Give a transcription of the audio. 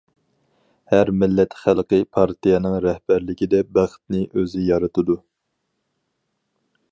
ھەر مىللەت خەلقى پارتىيەنىڭ رەھبەرلىكىدە بەختنى ئۆزى يارىتىدۇ.